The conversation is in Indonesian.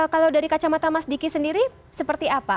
kalau dari kacamata mas diki sendiri seperti apa